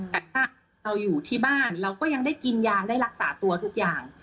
แต่ถ้าเราอยู่ที่บ้านเราก็ยังได้กินยาได้รักษาตัวทุกอย่าง